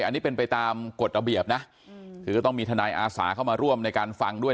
อันนี้เป็นไปตามกฎระเบียบนะคือก็ต้องมีทนายอาสาเข้ามาร่วมในการฟังด้วย